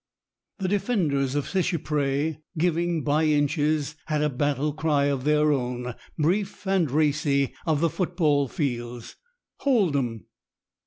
The defenders of Seicheprey, "giving by inches," had a battle cry of their own, brief and racy, of the football fields: "Hold 'em."